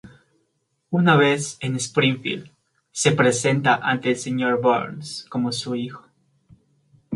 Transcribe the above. Una vez en Springfield, se presenta ante el Sr. Burns como su hijo.